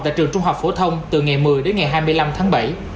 tại trường trung học phổ thông từ ngày một mươi đến ngày hai mươi năm tháng bảy